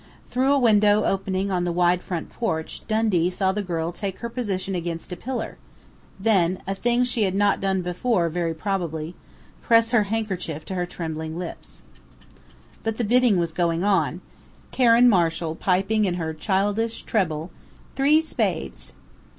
Through a window opening upon the wide front porch Dundee saw the girl take her position against a pillar, then a thing she had not done before very probably press her handkerchief to her trembling lips. But the bidding was going on, Karen Marshall piping in her childish treble: "Three spades!"